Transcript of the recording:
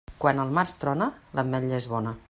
Quan al març trona, l'ametlla és bona.